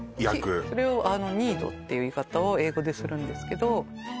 そうですそれをニードって言い方を英語でするんですけど